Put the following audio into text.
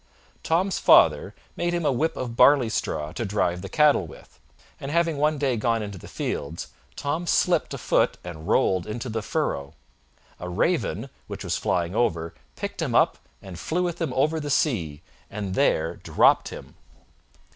Tom's father made him a whip of barley straw to drive the cattle with, and having one day gone into the fields, Tom slipped a foot and rolled into the furrow. A raven, which was flying over, picked him up and flew with him over the sea, and there dropped him.